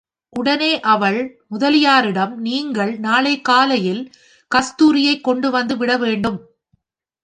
உடனே அவள் முதலியாரிடம், நீங்கள் நாளைக் காலையில் கஸ்தூரியைக் கொண்டுவந்துவிட வேண்டும்.